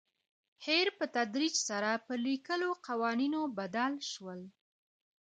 هیر په تدریج سره پر لیکلو قوانینو بدل شول.